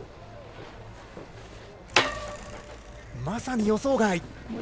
まさに予想外。